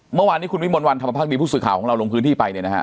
เมื่อวานนี้คุณวิมลวันธรรมภักดีผู้สื่อข่าวของเราลงพื้นที่ไปเนี่ยนะฮะ